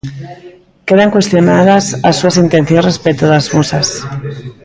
Quedan cuestionadas as súas intencións respecto das musas.